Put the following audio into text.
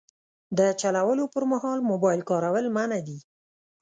د چلولو پر مهال موبایل کارول منع دي.